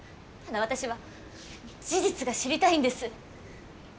ただ私は事実が知りたいんです。